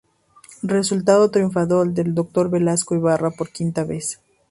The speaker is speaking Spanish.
Resultó triunfador el Dr. Velasco Ibarra, por quinta vez.